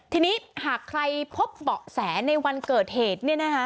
ทีนี้หากใครพบเบาะแสในวันเกิดเหตุ